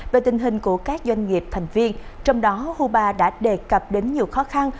về tình hình của các doanh nghiệp thành viên trong đó huba đã đề cập đến nhiều khó khăn